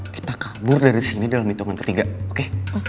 kita kabur dari sini dalam hitungan ketiga oke